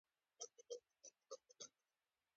مشقي کلیمې هغه دي، چي د بلي کلیمې څخه راوتلي يي.